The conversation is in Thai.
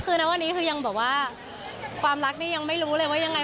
คือนะวันนี้คือยังแบบว่าความรักนี่ยังไม่รู้เลยว่ายังไง